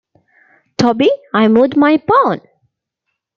"Toby:" I moved my pawn.